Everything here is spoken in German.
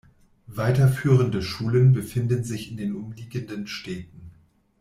Weiterführende Schulen befinden sich in den umliegenden Städten.